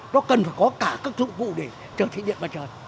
nó cần phải có cả các thủ vụ để trở thành điện mặt trời